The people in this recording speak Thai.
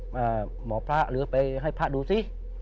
หมอพระหรือไปให้พระดูสิ